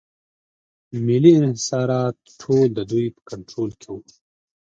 محلي انحصارات ټول د دوی په کنټرول کې وو.